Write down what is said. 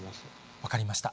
分かりました。